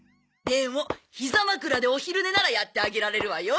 でもひざ枕でお昼寝ならやってあげられるわよ。